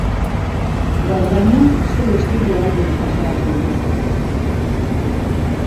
Gaurdaino, sei estudio-album plazaratu dituzte.